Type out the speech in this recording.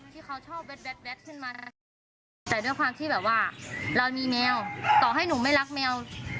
ที่เขาชอบแดดขึ้นมารักแต่ด้วยความที่แบบว่าเรามีแมวต่อให้หนูไม่รักแมว